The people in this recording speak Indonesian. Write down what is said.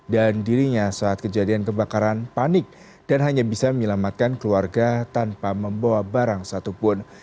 dan dirinya saat kejadian kebakaran panik dan hanya bisa menyelamatkan keluarga tanpa membawa barang satupun